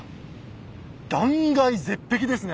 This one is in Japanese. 断崖絶壁ですね。